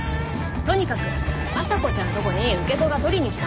とにかくまさこちゃんとこに受け子が取りに来たんだって。